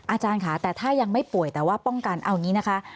อาจารย์ค่ะแต่ถ้ายังไม่ป่วยแต่ว่าป้องกันเอาอย่างนี้นะคะ